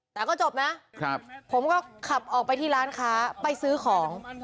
แต่ก็จบนะผมก็ขับออกไปที่ร้านค้าไปซื้อของ